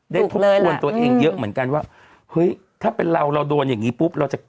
ทบทวนตัวเองเยอะเหมือนกันว่าเฮ้ยถ้าเป็นเราเราโดนอย่างนี้ปุ๊บเราจะ